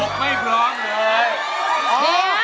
กบไม่พร้องเลย